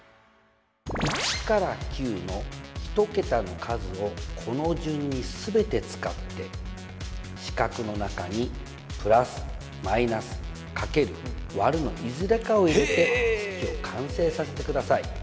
１から９の１桁の数をこの順に全て使って四角の中に「＋」「−」「×」「÷」のいずれかを入れて式を完成させてください。